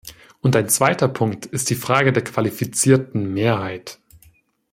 Und ein zweiter Punkt die Frage der qualifizierten Mehrheit.